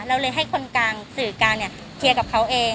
เราเลยให้คนกลางสื่อกลางเนี่ยเคลียร์กับเขาเอง